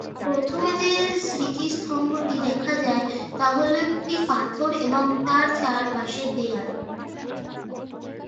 প্রথম যে স্মৃতিস্তম্ভটি দেখা যায় তা হল একটি পাথর এবং এর চারপাশের দেয়াল।